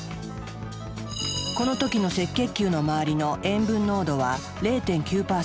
この時の赤血球の周りの塩分濃度は０．９％。